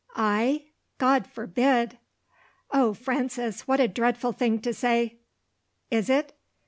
"I? God forbid!" "Oh, Frances, what a dreadful thing to say!" "Is it?